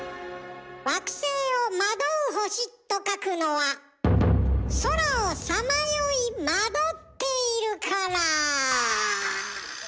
惑星を「惑う星」と書くのは空をさまよい惑っているから。